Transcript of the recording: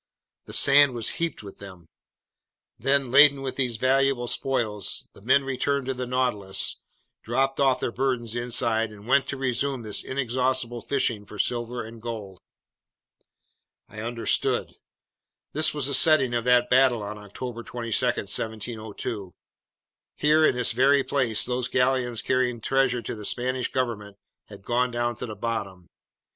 The sand was heaped with them. Then, laden with these valuable spoils, the men returned to the Nautilus, dropped off their burdens inside, and went to resume this inexhaustible fishing for silver and gold. I understood. This was the setting of that battle on October 22, 1702. Here, in this very place, those galleons carrying treasure to the Spanish government had gone to the bottom.